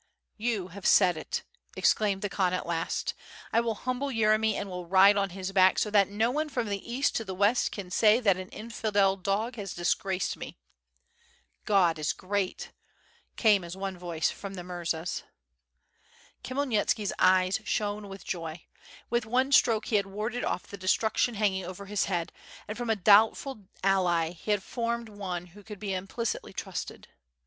"You have said it," exclaimed the Khan at last. "I will humble Yeremy and will ride on his back so that no one from the east to the west can say that an infidel dog has dis graced me." "God is great I" came as one voice from the murzas. yi8 WITH FIRE AND SWORD. Khmyelnitski's eyes shone with joy. With one stroke he had warded off the destruction hanging over his head, and from a dobtful ally he had formed one who could be im plicitly trusted.